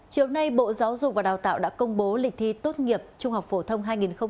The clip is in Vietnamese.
chiều nay bộ giáo dục và đào tạo đã công bố lịch thi tốt nghiệp trung học phổ thông hai nghìn hai mươi